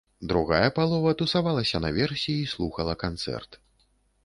Другая палова тусавалася наверсе і слухала канцэрт.